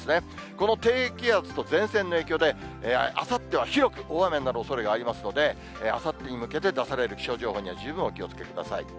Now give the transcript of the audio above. この低気圧と前線の影響で、あさっては広く大雨になるおそれがありますので、あさってに向けて出される気象情報には十分お気をつけください。